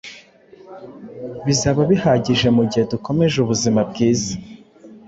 Bizaba bihagije mugihe dukomeje ubuzima bwiza